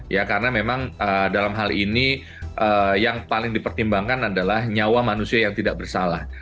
ya karena memang dalam hal ini yang paling dipertimbangkan adalah nyawa manusia yang tidak bersalah